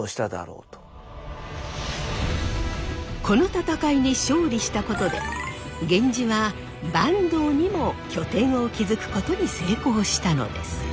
この戦いに勝利したことで源氏は坂東にも拠点を築くことに成功したのです。